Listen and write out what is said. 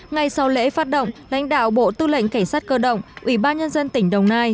ngày sau lễ phát động lãnh đạo bộ tư lệnh cảnh sát cơ động ubnd tỉnh đồng nai